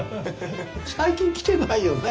最近来てないよね。